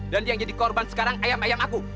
dan dia yang jadi korban sekarang ayam ayamku